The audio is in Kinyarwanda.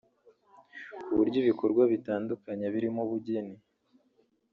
ku buryo ibikorwa bitandukanye birimo ubugeni